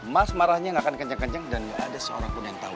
mas marahnya gak akan kenceng kenceng dan gak ada seorang pun yang tau